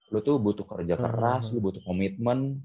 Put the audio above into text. lo tuh butuh kerja keras lo butuh komitmen